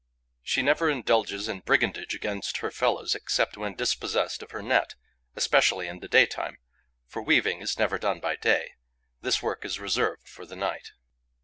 She never indulges in brigandage against her fellows except when dispossessed of her net, especially in the daytime, for weaving is never done by day: this work is reserved for the night.